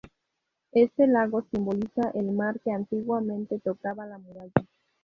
Este lago simboliza el mar que antiguamente tocaba la muralla.